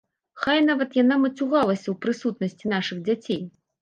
Хай нават яна мацюгалася ў прысутнасці нашых дзяцей.